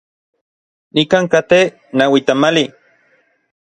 Nikan katej naui tamali.